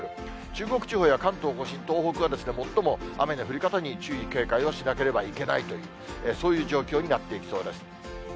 中国地方や関東甲信、東北は最も雨の降り方に注意、警戒をしなければいけないという、そういう状況になっていきそうです。